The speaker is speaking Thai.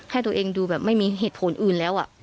ให้ตัวเองดูแบบไม่มีเหตุผลอื่นแล้ว